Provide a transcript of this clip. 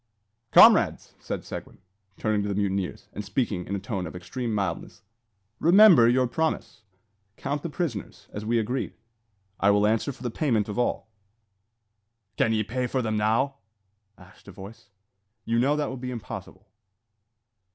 "Comrades!" said Seguin, turning to the mutineers, and speaking in a tone of extreme mildness, "remember your promise. Count the prisoners, as we agreed. I will answer for the payment of all." "Can ye pay for them now?" asked a voice. "You know that that would be impossible."